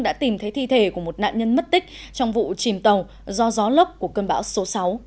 đã tìm thấy thi thể của một nạn nhân mất tích trong vụ chìm tàu do gió lốc của cơn bão số sáu